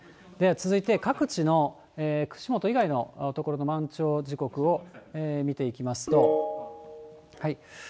続いて、各地の串本以外の所の満潮時刻を見ていきますと。